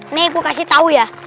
nih gua kasih tau ya